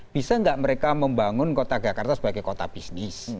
bisa nggak mereka membangun kota jakarta sebagai kota bisnis